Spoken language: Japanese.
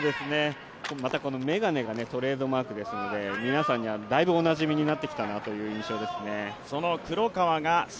またこの眼鏡がトレードマークですので、皆さんにはだいぶおなじみになってきたなという印象ですね。